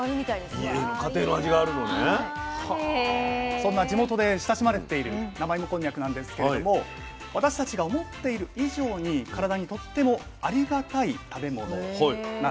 そんな地元で親しまれている生芋こんにゃくなんですけれども私たちが思っている以上に体にとってもありがたい食べ物なんです。